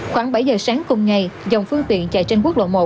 khoảng bảy giờ sáng cùng ngày dòng phương tiện chạy trên quốc lộ một